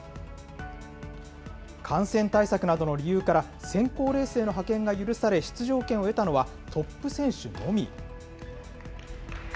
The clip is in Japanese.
感染対策などの理由から、選考レースへの派遣が許され、出場権を得たのはトップ選手のみ。